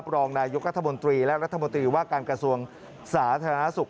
รองนายกรัฐมนตรีและรัฐมนตรีว่าการกระทรวงสาธารณสุข